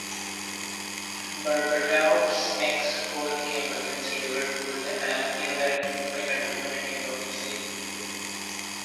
Berbatov's next goal came against Liverpool in the penultimate game of the season.